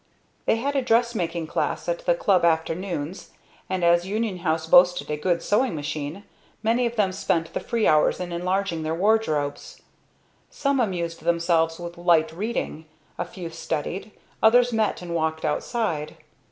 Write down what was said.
They had a dressmaking class at the club afternoons, and as Union House boasted a good sewing machine, many of them spent the free hours in enlarging their wardrobes. Some amused themselves with light reading, a few studied, others met and walked outside.